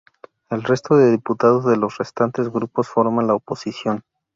El resto de diputados de los restantes grupos forman la oposición.